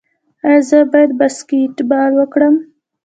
ایا زه باید باسکیټبال وکړم؟